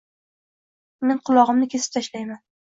Men qulog‘imni kesib tashlayman.